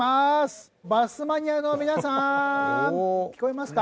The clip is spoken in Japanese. バスマニアの皆さーん聞こえますか？